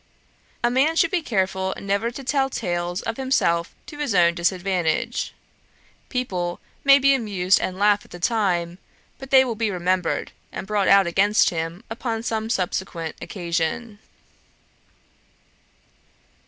'A man should be careful never to tell tales of himself to his own disadvantage. People may be amused and laugh at the time, but they will be remembered, and brought out against him upon some subsequent occasion.'